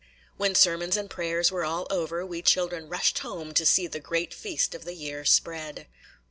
When sermons and prayers were all over, we children rushed home to see the great feast of the year spread.